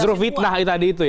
justru fitnah itu ya